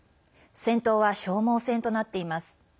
戦闘は、消耗戦となっています。